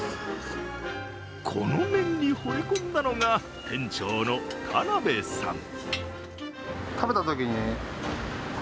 この麺に惚れ込んだのが店長の田辺さん。